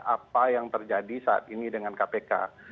apa yang terjadi saat ini dengan kpk